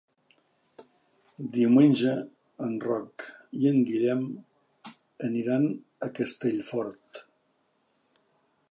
Diumenge en Roc i en Guillem aniran a Castellfort.